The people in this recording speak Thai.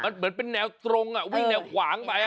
มันเหมือนเป็นแนวตรงวิ่งแนวขวางไป